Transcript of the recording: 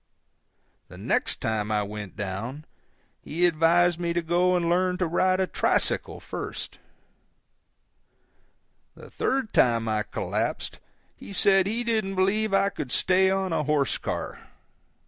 The next time I went down he advised me to go and learn to ride a tricycle first. The third time I collapsed he said he didn't believe I could stay on a horse car.